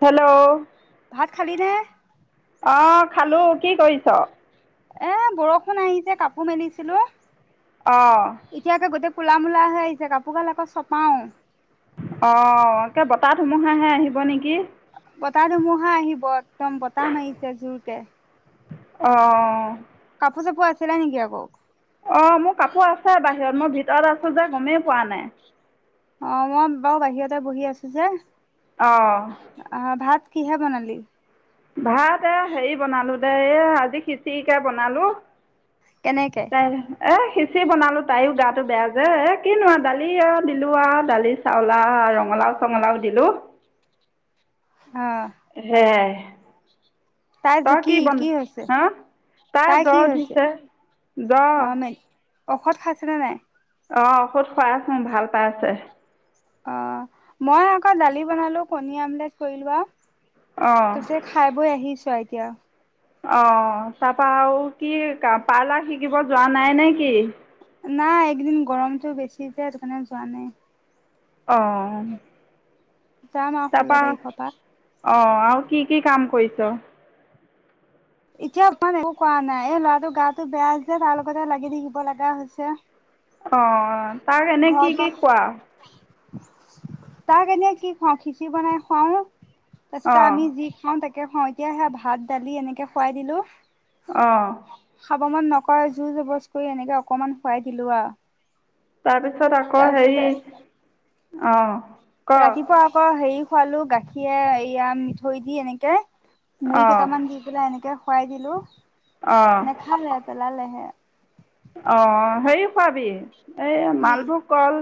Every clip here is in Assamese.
হেল্ল', ভাত খালিনে? অহ ', খালো কি কৰিছ। এ বৰষুণ আহিছে কাপোৰ মেলিছিলো অঁ কোলা মোলা হৈ আহিছে কাপোৰ কাল আকৌ চপাও অ একে বতাহ ধুমুহাহে আহিব নেকি বতাহঢোমোহা আহিব একদম বতাহ মাৰিছে জোৰক অ কাপোৰ চাপোৰ আছিলা নেকি আকৌ অ মোৰ কাপোৰ আছে বাহিৰত মই ভিতৰত আছো যে গমেই পোৱা নাই অ মই বাৰু বাহিৰতে বহি আছো যে অঁ আহ ভাত কিহে বনালি ভাত এ হেৰি বনালো আজি খিচিৰিকে বনালো কেনেকে? ত আহ সেই পচি বনালো তাইও গাটো বেয়া যে এ কিনোৱা দালি আৰু দিলো আৰু দালি চাউলা ৰঙালাও চঙলাও দিলো অ সে তাই যে তই কি বন হৈছে? হা তাই জ কি হৈছে? উঠিছে জ অ মে ঔষধ খাইছে নে নাই অ ঔষধ খুৱাই আছোঁ উম ভাল পাই আছে অ মই আকৌ দালি বনালো কণী আমলেট কৰিলো অঁ তি খাই বৈ আহিছ আ কয়া অ তাৰ পৰা আৰু কি পাৰ্লাৰ শিকিব যোৱা নাই নে কি নাই একদিন গৰমতটো বেছি যোয় সেইটো কাৰণে যোৱা নাই অ যাম আৰু ষোল্ল তাৰিখৰ পৰা অ আৰু কি কি কাম কৰিছ এতিয়া অকমান একো কোৱা নাই এই ল'ৰাটোৰ গাটো বেয়া আছে তাৰ লগতে লাগি থাকিব লগা হৈছে অ তাক এনে কি ঘৰত কি কোৱা তাক এনেই কি খোৱা খিচি বনাই খুৱাও টছত অঁ আমি যি খাওঁন থাকে খাওঁ এতিয়া সে ভাত দালি এনেকে খুৱাই দিলো আহ খাবমন নকৰা জু জবজ কৰি এনেকে অকমান খুৱাই দিলো আ তাৰপিছত আকৌ হেৰি আহ ৰাতিপুৱা আকৌ হেৰি খোৱালোঁ গাখীৰ এয়া মিঠৈ দি এনেকে মুই অঁ কেইটামান দি পেলা এনেকে খুৱাই দিলোঁ নেখালে পেলালেহে অ হেৰি খোৱাবি এই কি মালভোগ কল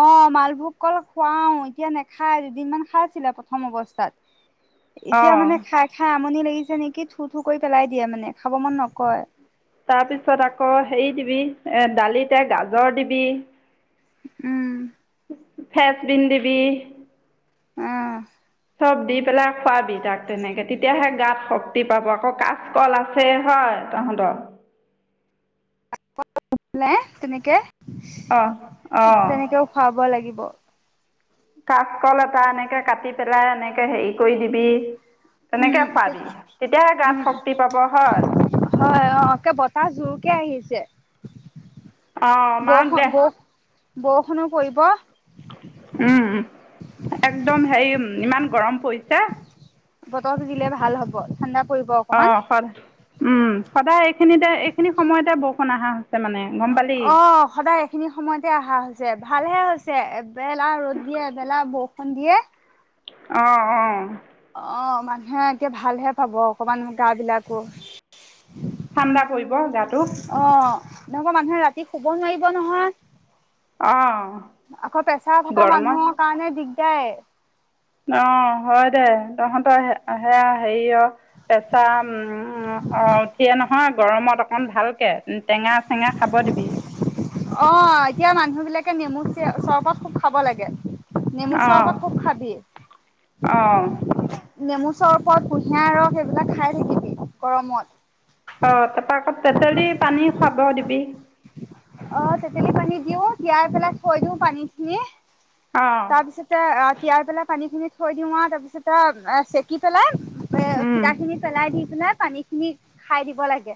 অ মালভোগ কল খুৱাও এতিয়া নেখায় দুদিনমান খাই আছিলে প্ৰথম অৱস্থাত এতিয়া অঁ মানে খাই খাই আামনি লাগিছে নেকি থু থু কৰি পেলাই দিয়ে মানে খাব মন নকয় তাৰপিছত আকৌ হেৰি দিবি এ দালিতে গাজৰ দিবি উম ফেচবিন্ দিবি উম চব দি পেলাই খোৱাবি তাক তেনেকে তেতিয়াহে গাত শক্তি পাব আকৌ কাচকল আছে হয় তহঁতৰ [unintelligible] তেনেকে অঁ অঁ তেনেকেও খুৱাব লাগিব ব কাচকল এটা এনেকে কাটি পেলাই এনেকে হেৰি কৰি দিবি তেনেকৈ উম খোৱাবি তেতিয়াহে গাত উম শক্তি পাব হয় হয় অ কে বতাহ জোৰকে আহিছে। অঁ, মাক বৰষুণ দে বৰ বৰষুণো পৰিব উম একদম হেৰি ইমান গৰম পৰিছে বতৰতো দিলে ভাল হ'ব ঠাণ্ডা পৰিব অ অকমান। স উম সদায় এইখিনিতে এইখিনি সময়তে বৰষুণ আহা অ সদায় এইখিনি সময়তে অহা হৈছে যে ভালহে হৈছে এবেলা ৰ'দ দিয়ে এবেলা বৰষুণ দিয়ে অ অঁ অঁ মানুহে এে ভালহে পাব অকণমান গা বিলাকো ঠাণ্ডা পৰিব গাটো এনেকুৱা মানুহে ৰাতি শুব নোৱাৰিব অঁ নহয় আকৌ পেছাৰ থকা গৰমত মানুহৰ কাৰণে দিগ যাই অ হয় দে তহঁতৰ সেয়া হেৰি অ পেচা উম অ উঠিয়ে নহয় গৰমত অকমান ভালকে টেঙা চেঙা খাব দিবি অ এতিয়া মানুহ বিলাকে নেমু চৰবত খুব খাব লাগে নেমু অঁ চৰবত খুব খাবি অঁ নেমু চৰবত কুঁহিয়াৰ ৰস এইবিলাক খাই থাকিবি গৰমত অ তাৰপৰা আকৌ তেতেলি পানী খুৱাব দিবি অ তেতেলি পানী দিও তিয়াই পেলাই থৈ দিও পানী খিনি অঁ তাৰপিছতে তিয়াই পেলাই পানীখিনি থৈ দিওঁ আৰু তাৰ পিছত এ চেকি পেলাই মে হিতাখিনি পেলাই দি জোনে পানী খিনি খাই দিব লাগে।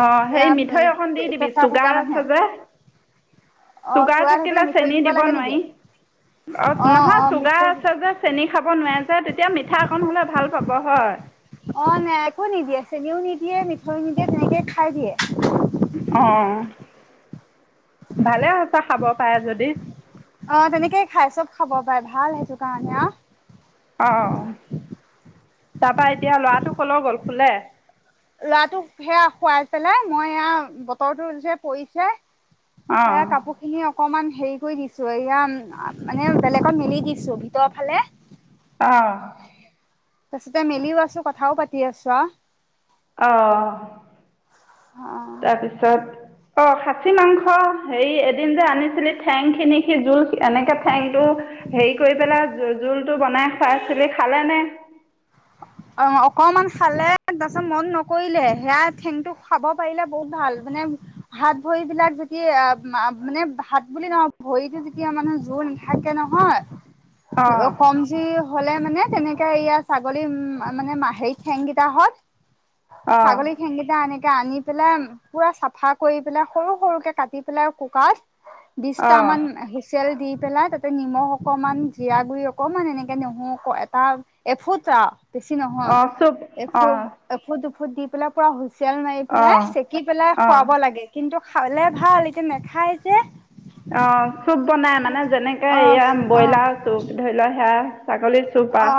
অ সেই এয়া মিঠৈ এখন দি দিবি প্ৰেছাৰ থকা চুগাৰ মানুহে আছে যে অ চুগাৰ থাকিলে মিঠৈ চেনী দিব লাগে নেকি? নোৱাৰি অ নহয় চুগাৰ আছে যে চেনি খাব নোৱাৰি এ তিত এতিয়া মিঠা অকন হ'লে ভাল খব হয় অ নাই একো নিদিয়ে চেনিও নিদিয়ে মিঠৈ নিদিয়ে তেনেকে খাই দিয়ে অঁ ভালে হৈছে খাব। পায় যদি অ তেনেকেই খাই চব খাব পাই ভাল সেইটো কাৰণে অ অ অ অ তাৰ পা এতিয়া লৰাটো কলে গ'ল শুলে ল'ৰাটো সেয়া শুবাই পেলাই মই আ বতৰটো যে পৰিছে অঁ এ কাপোৰ খিনি অকমান হেৰি কৰি দিছো এয়া মানে বেলেগত মেলি দিছো ভিতৰৰ ফালে অহ তাৰছতে মেলিও আছো কথাও পাতি আছো আও। অহ অ তাৰপিছত অ খাচী মাংস হেৰি এদিন যে আনিছিলি ঠেং খিনি সি জোল এনেকে ঠেংটো হেৰি কৰি পেলাই জো জোল টো বনাই খাই চিলি খালে নে? [unintelligible] অ অকমান খালে তাৰপিছত মন নকৰিলে সেয়া ঠেংটো খাব পাৰিলে বহুত ভাল মানে হাত ভৰিবলাক যেতিয়া মা মানে ভাত বুলি নহয় ভৰিটো যেতিয়া মানে জোৰ নাথাকে নহয় অঁ অ কম যি হলে মানে তেনেকে ইয়া ছাগলী উম অ মানে মাহে সেই ঠেং কেইটাহত অঁ ছাগলী ঠেংকিটা আনে আনি পেলাই পুৰা চাফা কৰি পেলাই সৰু সৰুকে কাটি পেলাই কুকাৰত বিছ অঁ তামান হুইচেল দি পেলাই তাতে নিমখ অকমান জিৰা গুৰি অকনমান এনেকে নেহৰু এটা এফুটা বেছি নহয় অঁ চুপ এফু অঁ এফুট দুফুট ত দি পেলাই পৰা হৈছে চেল মাৰি অঁ পেলাই চেকি পেলাই অঁ খুৱাব লাগে কিন্তু খালে ভাল কিন্তু নেখায় যে অ চুপ বনাই মানে যেনেকে অ এয়া অ ব্ৰইলাৰ চুপ ধৰি লোৱা সেয়া ছাগলী চুপ অ আৰু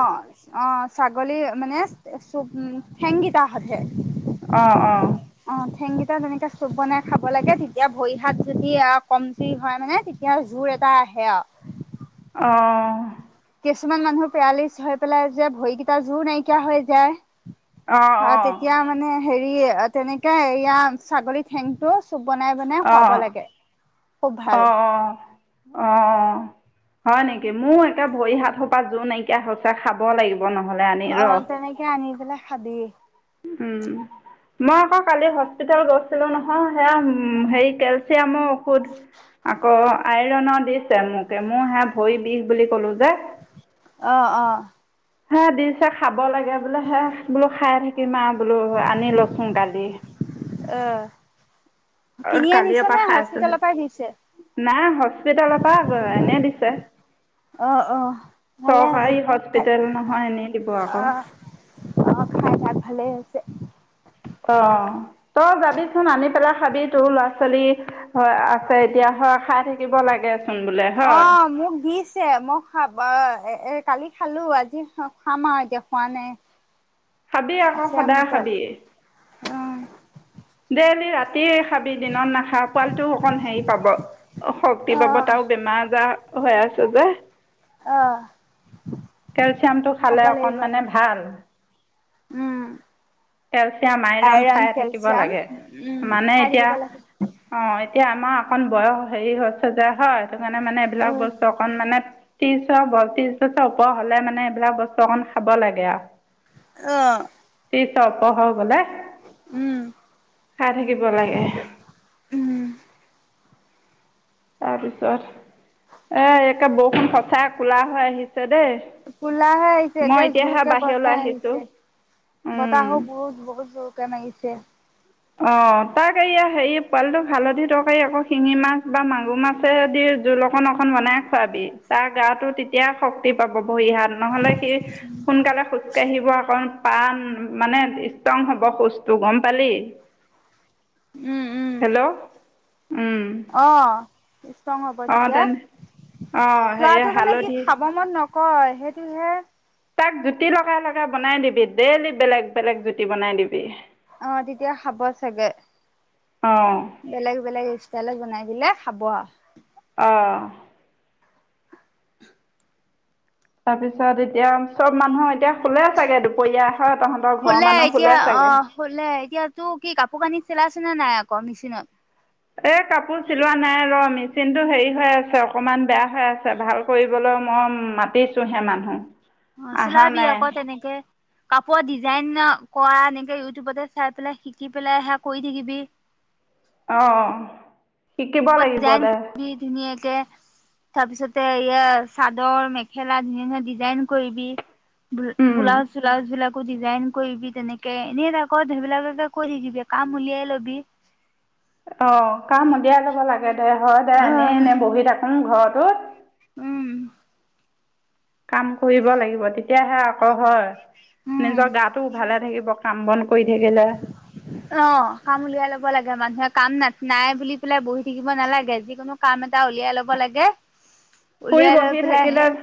অ ছাগলী মানে চ ঠেংগিতা সে অ অ তে তেনেকে চুপ বনাই খাব লাগে তেতিয়া ভৰি হাত যদি আও কমজুৰি হয় মানে তেতিয়া জোৰ এটা আহে আও অঁ কিছুমান মানুহৰ পেৰালিচ হৈ পেলাই যে ভৰিকেইটা জোৰ নাইকিয়া হৈ যায় অঁ অ অঁ তেতিয়া মানে সেই হেৰি তেনেকে এয়া ছাগলী ঠেংটো চুপ বনাই বনাই অহ খুৱাব লাগে খুব অহ ভাল অহ অহ অহ হয় নে কি মোৰো একে ভৰি হাত সোপা যোৰ নাইকি এয়া সঁচা খাব লাগিব নহ'লে আনি অ ৰহ তেনেকে আনি পেলাই খাবি মই আকৌ কালি হস্পিতেল গৈছিলো নহয় সেয়া উ হেই কেলচিয়ামৰ ঔষধ আকৌ আইৰনৰ দিছে মোকে মোৰ হে ভৰি বিষ বুলি কলো যে অ অ হে দিছে খাব লাগে বোলে হে বোলো খাই থাকিম আও বোলো আনি ল' চোন ডালি অ অ কিনি আনিছ কালিৰ পৰা নে খাই আছো হস্পিতালৰ পৰাই দিছে নাই হস্পিতালৰ পৰা এনে দি ছে অ অ ভালে হৈছে থ হস্পিটেল নহয় এনেই দিব আকৌ অহ অহ খাই থাক ভালে হৈছে অঁ তই যাবিচোন আনি পেলাই খাবি তোৰ ল'ৰা ছোৱালী হয় আছে এতিয়া হয় খাই থাকিব লাগে। অ মোক দিছে মই খাব এ কালি খালো আজি খাম আৰু এতিয়া খোৱা নাই। খাবি আকৌ আছে মোৰ সদায় তাত খাবি উম দে দে ৰাতি ৰাাতিয়ে খাবি দিনত নাখা পোৱালি টো অকণ হেৰি পাব শক্তি পাব অ' তাৰ ও বেমাৰ আজাৰ হৈ আছে যে অ' কেলচিয়ামটো খাব খালে লাগিব অকনমানে ভাল উম কেলচিয়াম আইৰন খাই থাকি যাম উম খাই থাকিব লাগে। এতিয়া আমাৰ অকন বয়স হেৰি হৈছে যে হয়। সেইটো কাৰণে মানে এইবিলাক উম বস্তু অকণমানানে ত্ৰিশ ব ত্ৰিশ বছৰ ওপৰ হলে মানে এইবিলাক বস্তু অকমান খাব লাগে আৰু আহ পছত পহ গলে খাই থাকিব লাগে। উম তাৰপিছত আহ এক এ বৰষুণ সঁচাই কোলা হৈ আহিছে। দেই কোলাহে আহিছে মই একে এতিয়াহে জোৰকে বাহিৰলৈ বতাহ আহিছোঁ আহিছে বতাহাহো বহুত বহুত জোৰ চেম আহিছে অ তাক এয়া হেৰি পোৱালিটোক হালধি তৰকাৰী আকৌ শিঙি মাছ, বা মাগুৰ মাছে, দি জোল অকন অকন বনাই খোৱাবি তাৰ গাটো তেতিয়া শক্তি পাব বৰিহাত নহলে। সোনকালে সুস্থ আহিব অকণ পাণ মানে ষ্ট্ৰং হব খুজটো গম পালি উম উম হেল্ল' উম আহ ষ্ট্ৰং হ'ব অ' তেনে অ' তেতিয়া হেৰি লোৱাটো মানে কি হালধি খাব মন ন কয় সেইটোহে তাক জুতি লগাই লগাই বনাই দিবি ডেইলি বেলেগ বেলেগ জুতি বনাই দিবি অ তেতিয়া খাব চাগে অ' বেলেগ বেলেগ ইষ্টালত বনাই পেললে খাব আৰু অ তাৰ পিছত এতিয়া চব মানুহৰ এতিয়া শুলে চাগে দুপৰীয়া হয় তহঁতৰ ঘৰৰ শুলে মানুহ এতিয়া শুলে অ চাগে। চিলা চনাা নাই আকৌ মেচিনত। এ কাপোৰ চিলোৱা নাই ৰ মেচিনতটো হেৰি হৈ আছে অকমান বেয়া হৈ আছে ভাল কৰিবলৈ মই মাতিছোহে মানুহ অ আহা চিলাইাব নাই আকৌ তেনেকে কাপোৰ ডিজাইন কৰা এনেকে ইউটিউবতে চাই পেলাই শিকি পেলাই সে কৰি থাকিবি আহ শিকিব লাগিব ডিজাইন দে কৰিবি ধুনীয়াকে তাৰপিছতে এয়া চাদৰ মেখেলা ধুন ধুীয়া ডিজাইন কৰিবি। উম। বোলাউজ চলাউজ বিলাক আকৌ ডিজাইন কৰিবি তেনেকে এনেই থাকত সেইবিলাককে কৰি দিবি কাম উলিয়াই লবি অ কাম উলিয়াই ল'ব লাগে দে হয় দে এনেই আহ এনে বহি তাক উ ঘৰতে [unintelligible] উম কাম কৰিব লাগিব তেতিয়াহে আকৌ হয় উম নিজৰ গাটো ভালে থাকিব কাম বন কৰি থাকিলে অ কাম উলিয়াই লব লাগে মানুহে কাম না নাই বুলি পেলাই বহি থাকিব নালাগে যিকোনো কাম এটা উলিয়াই লব লাগে শুই উলিয়াই লৈ বহি পেলাই সে থাকিলে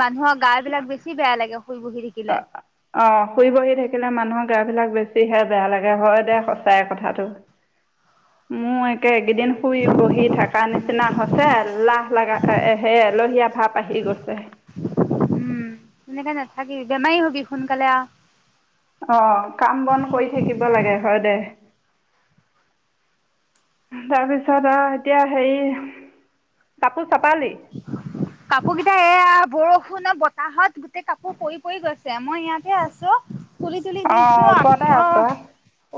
মানুহৰ গা বিলাক বেছি বেয়া লাগে শুই বহি অ থাকিলে অ শুই বহি থাকিলে মানুহৰ গা বিলাক বেছিহে বেয়া লাগে হয় দে সঁচাই কথাটো মোৰ একে এইকেইদিন শুই বহি থকা নিচিনা হৈছে লাহ লগাহে এলেহোৱা ভাপ আহি গৈছে উম তেনেকে নাথাকিবি বেমাৰী হবি সোনকালে আহ আহ কাম বন কৰি থাকিব লাগে হয় দে তাৰপিছত আহ এতিয়া হেৰি কাপোৰ চাপালি কাপোৰ কেইটা এয়া বৰষুণৰ বতাহত গোটেই কাপোৰ পৰি পৰি গৈছে মই ইয়াতে আছো তুলি তুলি অ দিছো ওপৰতে অ আছ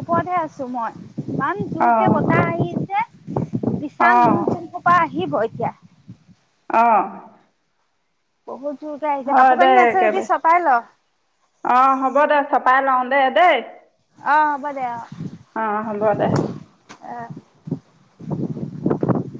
ওপৰতহে আছো মই পাম তোৰ অ কে [unintelligible] কতাহ আহিছে উ বিশা অ নুন চন পৰা আহিব কয়াা অঁ বহুত জোৰকে আহিছে হয় কাপোৰ দে কানি আছে যদি একেবাৰে চপাই ল অ হ'ব দে চপাই লওঁ দে দেই অ হ'ব দে অ অ হব দে আহ